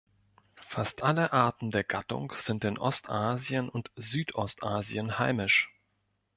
Fast alle Arten der Gattung sind in Ostasien und Südostasien heimisch.